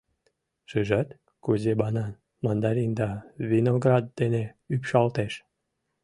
Шижат, кузе банан, мандарин да виноград дене ӱпшалтеш?